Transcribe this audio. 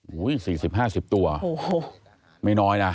หูยให้สี่สิบห้าสิบตัวไม่น้อยน่ะ